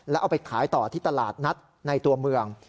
แล้วเอาไปขายต่อที่ตลาดนัดในตัวเมือง